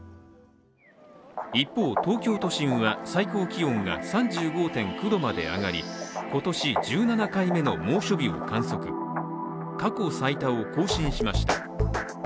一方、東京都心は最高気温が３５．９度まで上がり、今年１７回目の猛暑日を観測、過去最多を更新しました。